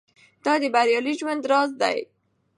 دا د بریالي ژوند راز دی.